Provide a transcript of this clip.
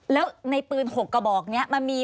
แล้วในปืน๖กระบอกนี้